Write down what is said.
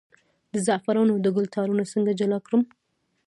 د زعفرانو د ګل تارونه څنګه جلا کړم؟